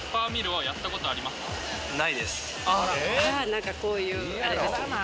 何かこういうあれですね。